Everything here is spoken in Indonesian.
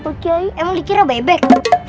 pak kiai emang dikira bebek